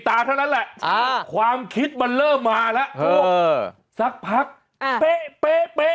ทานลงแบบเทอเพอ